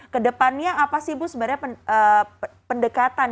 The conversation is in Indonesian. kedepannya apa sih bu sebenarnya pendekatan